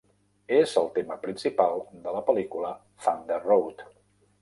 És el tema principal de la pel·lícula "Thunder Road".